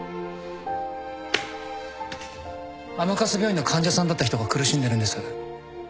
甘春病院の患者さんだった人が苦しんでるんです。